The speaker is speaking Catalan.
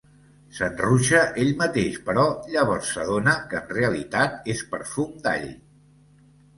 Se'n ruixa ell mateix però llavors s'adona que en realitat és perfum d'all.